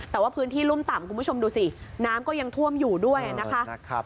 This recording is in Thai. แต่ว่าพื้นที่รุ่มต่ำคุณผู้ชมดูสิน้ำก็ยังท่วมอยู่ด้วยนะคะ